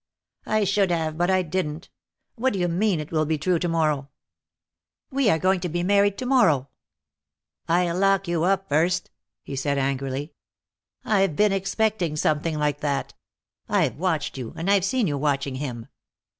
"I should have, but I didn't. What do you mean, it will be true to morrow?" "We are going to be married to morrow." "I'll lock you up first," he said, angrily. "I've been expecting something like that. I've watched you, and I've seen you watching him.